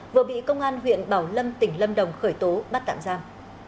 vừa bị công an huyện bảo lâm tỉnh lâm đồng khởi tố bắt tạm giam